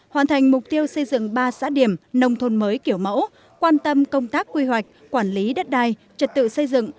hoàn thành mục tiêu xây dựng ba xã điểm nông thôn mới kiểu mẫu quan tâm công tác quy hoạch quản lý đất đai trật tự xây dựng